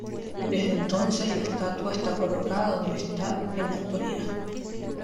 Desde entonces la estatua está colocada donde está en la actualidad.